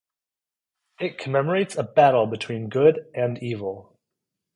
It commemorates a battle between good and evil.